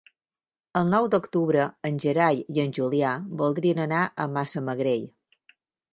El nou d'octubre en Gerai i en Julià voldrien anar a Massamagrell.